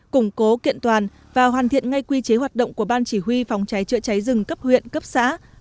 củng cố kiện toàn và hoàn thiện ngay quy chế hoạt động của ban chỉ huy phòng cháy chữa cháy rừng cấp huyện cấp xã